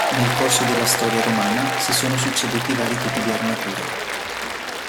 Nel corso della storia romana si sono succeduti vari tipi di armature.